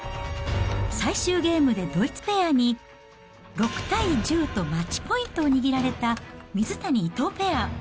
最終ゲームでドイツペアに６対１０とマッチポイントを握られた、水谷・伊藤ペア。